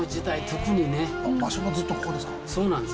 場所もずっとここですか？